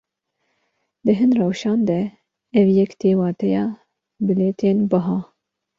Di hin rewşan de ev yek tê wateya bilêtên biha.